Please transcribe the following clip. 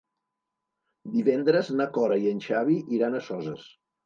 Divendres na Cora i en Xavi iran a Soses.